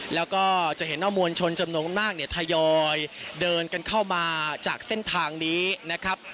แล้วก็จะเห็นว่ามวลชนจำนวนมากเนี่ยทยอยเดินกันเข้ามาจากเส้นทางนี้นะครับ